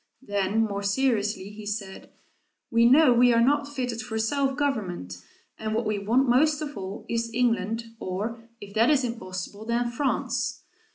Then more seriously, he said, "We know we are not fitted for self government, and what we want most of all is England, or if that is impossible, then France."